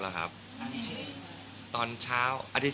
อาจจะ๓๕ค่อยมี